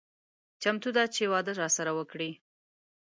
چمتو ده چې واده راسره وکړي.